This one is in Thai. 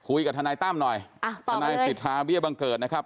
คุยกับฐานายตั้มหน่อยฐานายศิษฐาเบี้ยบังเกิดนะครับ